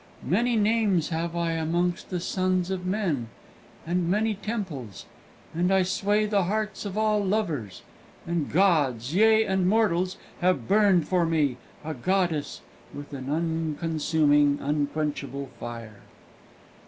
Many names have I amongst the sons of men, and many temples, and I sway the hearts of all lovers; and gods yea, and mortals have burned for me, a goddess, with an unconsuming, unquenchable fire!"